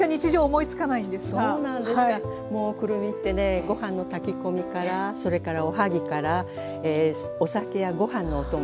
そうなんですかもうくるみってねご飯の炊き込みからそれからおはぎからお酒やご飯のお供。